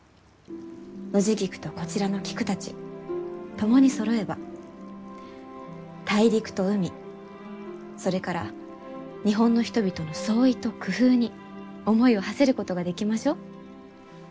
ノジギクとこちらの菊たち共にそろえば大陸と海それから日本の人々の創意と工夫に思いをはせることができましょう。